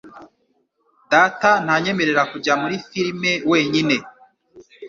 Data ntanyemerera kujya muri firime wenyine